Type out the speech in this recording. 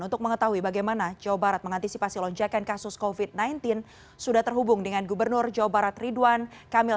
untuk mengetahui bagaimana jawa barat mengantisipasi lonjakan kasus covid sembilan belas sudah terhubung dengan gubernur jawa barat ridwan kamil